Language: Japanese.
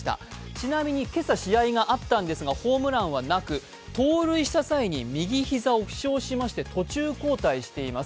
ちなみに今朝、試合があったんですがホームランはなく、盗塁した際に右膝を負傷しまして途中交代しています。